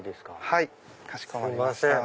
はいかしこまりました。